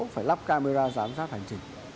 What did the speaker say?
phải lắp camera giám sát hành trình